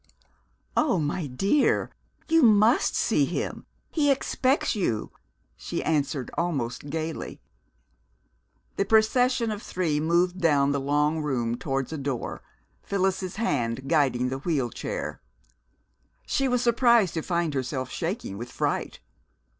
"Oh, my dear, you must see him. He expects you," she answered almost gayly. The procession of three moved down the long room towards a door, Phyllis's hand guiding the wheel chair. She was surprised to find herself shaking with fright.